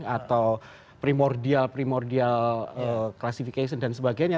atau primordial primordial classification dan sebagainya